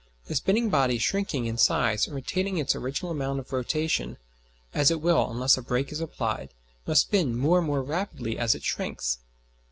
A spinning body shrinking in size and retaining its original amount of rotation, as it will unless a brake is applied, must spin more and more rapidly as it shrinks.